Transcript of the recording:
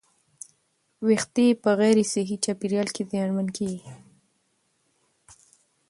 ویښتې په غیر صحي چاپېریال کې زیانمن کېږي.